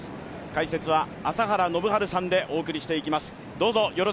解説は朝原宣治さんでお送りします。